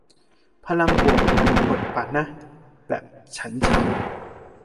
พลังบวกมันหดปะนะ แบบ ฉันเฉา